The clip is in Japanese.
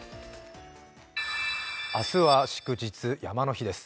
明日は祝日、山の日です。